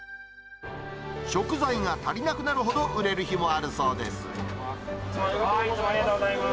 食材が足りなくなるほど売れる日ありがとうございます。